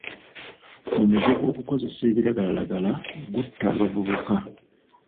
Omuze gw'okukozesa ebiragalalagala gutta abavubuka.